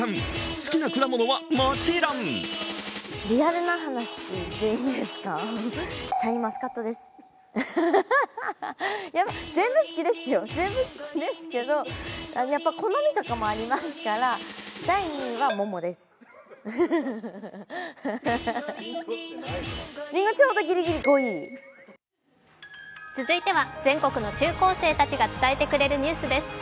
好きな果物はもちろん続いては全国の中高生たちが伝えてくれるニュースです。